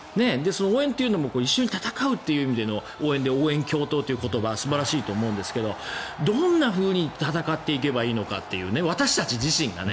その応援というのも一緒に闘うという意味での応援共闘という言葉素晴らしいと思うんですけどどんなふうに戦っていけばいいのかっていう私たち自身が。